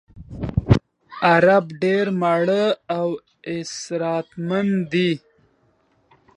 عرب ډېر ماړه او اسراتمن دي.